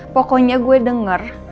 pokoknya gue denger